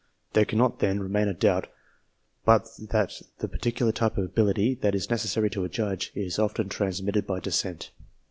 There cannot, then, remain a doubt but that the peculiar type of ability that is necessary to a judge is often transmitted by descent.